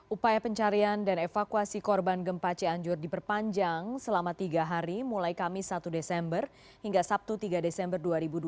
upaya pencarian dan evakuasi korban gempa cianjur diperpanjang selama tiga hari mulai kamis satu desember hingga sabtu tiga desember dua ribu dua puluh